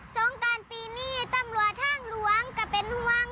สงการปีนี้ตำรวจทางหลวงก็เป็นห่วง